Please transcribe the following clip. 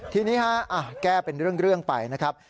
ทีนี้แก้เป็นเรื่องไปนะครับ